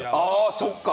そっか！